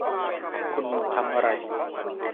คุณทำอะไร